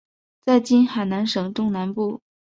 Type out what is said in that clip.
在今海南省中南部。